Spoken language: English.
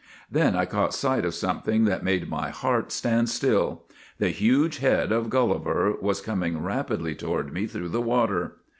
" Then I caught sight of something that made my heart stand still. The huge head of Gulliver was coming rapidly toward me through the water!